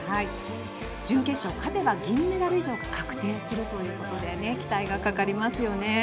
準決勝、勝てば銀メダル以上が確定するということで期待がかかりますよね。